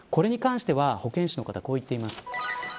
これに関しては保健師の方、こう言っています。